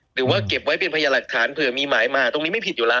เก็บไว้เป็นพยานหลักฐานเผื่อมีหมายมาตรงนี้ไม่ผิดอยู่แล้ว